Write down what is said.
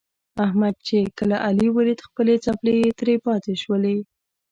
احمد چې کله علي ولید خپلې څپلۍ ترې پاتې شولې.